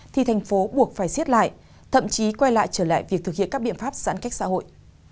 thì thành phố buộc phải xiết lại thậm chí quay lại trở lại việc thực hiện các biện pháp giãn cách xã hội